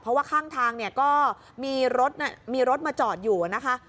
เพราะว่าข้างทางเนี่ยก็มีรถมีรถมาจอดอยู่นะคะ